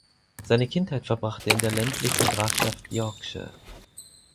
Seine Kindheit verbrachte er in der ländlichen Grafschaft Yorkshire.